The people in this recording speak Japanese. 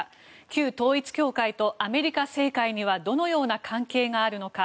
旧統一教会とアメリカ政界にはどのような関係があるのか。